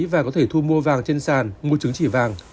và có thể thu mua vàng trên sàn mua chứng chỉ vàng